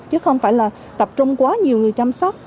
chứ không phải là tập trung quá nhiều người chăm sóc